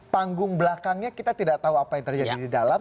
panggung belakangnya kita tidak tahu apa yang terjadi di dalam